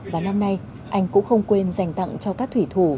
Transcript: và năm nay anh cũng không quên dành tặng cho các thủy thủ